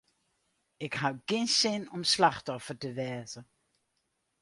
Ik haw gjin sin om slachtoffer te wêze.